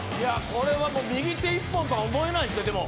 これは右手１本とは思えないですね。